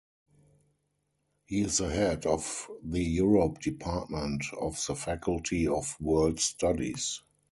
He is the head of the Europe Department of the Faculty of World Studies.